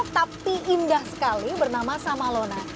tapi indah sekali bernama samalona